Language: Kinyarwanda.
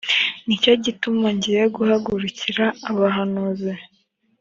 ni cyo gituma ngiye guhagurukira abahanuzi